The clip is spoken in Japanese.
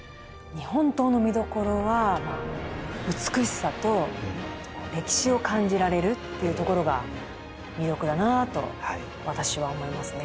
日本刀の見どころは美しさと歴史を感じられるというところが魅力だなと私は思いますね。